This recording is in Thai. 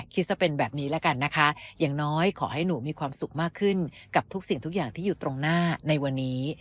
คิดซะเป็นแบบนี้แล้วกันนะคะอย่างน้อยขอให้หนูมีความสุขมากขึ้นกับทุกสิ่งทุกอย่างที่อยู่ตรงหน้าในวันนี้